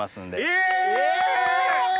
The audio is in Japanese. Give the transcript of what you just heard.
え！